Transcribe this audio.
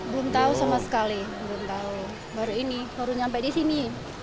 belum tahu sama sekali baru ini baru sampai di sini